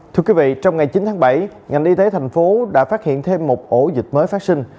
thưa quý vị trong ngày chín tháng bảy ngành y tế thành phố đã phát hiện thêm một ổ dịch mới phát sinh